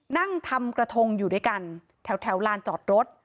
นั่งทำกระทงอยู่ด้วยกันแถวลานจอดรถ